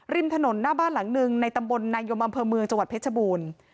ริมถนนหน้าบ้านหลังหนึ่งในตำบลนายมอำเภอเมืองจังหวัดเพชรบูรณ์